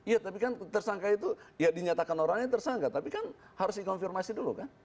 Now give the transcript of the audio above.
ya tapi kan tersangka itu ya dinyatakan orangnya tersangka tapi kan harus dikonfirmasi dulu kan